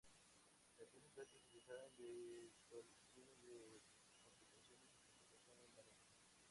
La empresa está especializada en virtualización de aplicaciones y computación en la nube.